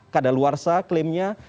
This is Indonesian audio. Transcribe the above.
keadaan luar sahab klaimnya